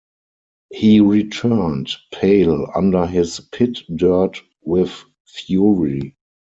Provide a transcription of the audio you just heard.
He returned, pale under his pit-dirt with fury.